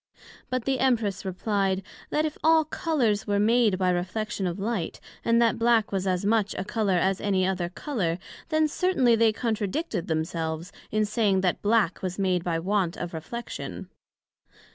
But the Empress replied, That if all Colours were made by reflection of light, and that Black was as much a colour as any other colour; then certainly they contradicted themselves in saying that black was made by want of reflection.